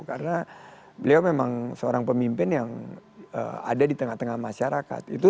karena beliau memang seorang pemimpin yang ada di tengah tengah masyarakat